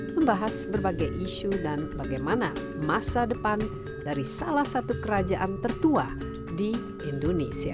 membahas berbagai isu dan bagaimana masa depan dari salah satu kerajaan tertua di indonesia